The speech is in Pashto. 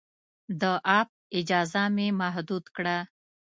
د اپ اجازه مې محدود کړه.